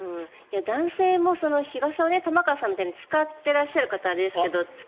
男性も日傘を玉川さんみたいに使っていらっしゃる方はあれですけれど。